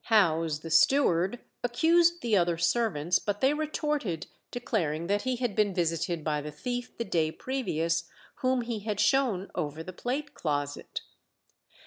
Howse, the steward, accused the other servants, but they retorted, declaring that he had been visited by the thief the day previous, whom he had shown over the plate closet.